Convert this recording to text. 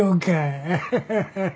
アハハハハ。